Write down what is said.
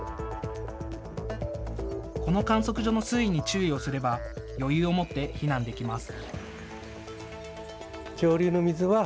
この観測所の水位に注意をすれば余裕を持って避難できます。